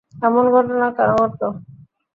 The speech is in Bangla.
এমন ঘটনা কেন ঘটল?